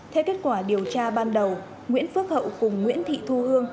theo kết quả điều tra ban đầu nguyễn phước hậu cùng nguyễn thị thu hương